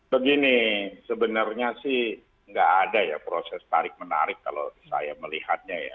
begini sebenarnya sih nggak ada ya proses tarik menarik kalau saya melihatnya ya